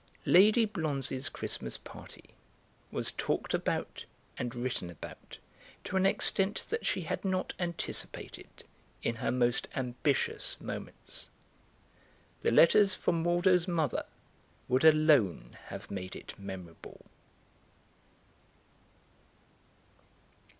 Lady Blonze's Christmas party was talked about and written about to an extent that she had not anticipated in her most ambitious moments. The letters from Waldo's mother would alone have made it memorable.